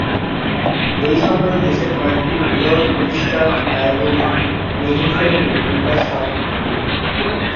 এসময় দেশের কয়েকটি বৃহৎ প্রতিষ্ঠান ব্যয়বহুল মেইনফ্রেম কম্পিউটার স্থাপন করে।